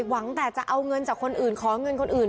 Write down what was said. หวังแต่จะเอาเงินจากคนอื่นขอเงินคนอื่น